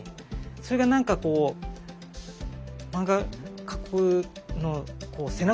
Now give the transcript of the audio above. それがなんかこう漫画描くの背中